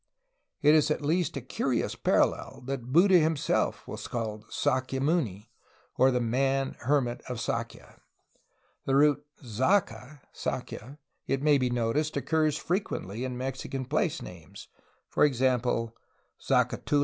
It is at least a curious parallel that Buddha himself was called "Sakya muni," or "the man (hermit) of Sakya.'' The root "Zaca'' (Sakya), it may be noticed, occurs frequently in Mexican place names, e. g. Zacatula, Zacatecas.